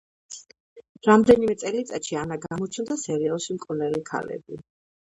რამდენიმე წელიწადში ანა გამოჩნდა სერიალში „მკვლელი ქალები“.